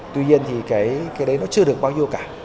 tuy nhiên thì cái đấy nó chưa được bao nhiêu cả